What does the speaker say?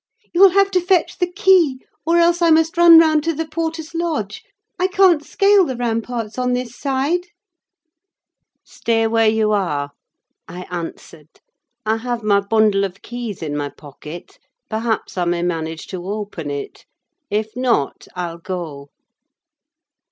you'll have to fetch the key, or else I must run round to the porter's lodge. I can't scale the ramparts on this side!" "Stay where you are," I answered; "I have my bundle of keys in my pocket: perhaps I may manage to open it; if not, I'll go."